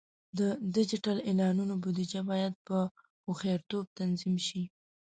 د ډیجیټل اعلانونو بودیجه باید په هوښیارتوب تنظیم شي.